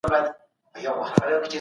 آیا تقوی د مشر لپاره اړینه ده؟